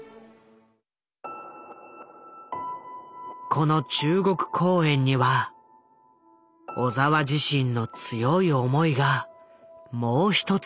この中国公演には小澤自身の強い思いがもう一つあった。